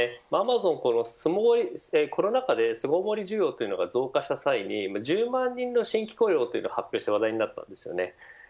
アマゾンはコロナ禍で巣ごもり需要が増加した際に１０万人の新規雇用を発表して話題になったんです。